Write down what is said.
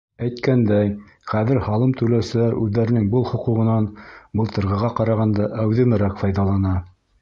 Әйткәндәй, хәҙер һалым түләүселәр үҙҙәренең был хоҡуғынан былтырғыға ҡарағанда әүҙемерәк файҙалана.